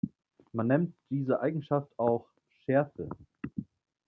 Man nennt diese Eigenschaft auch „Schärfe“.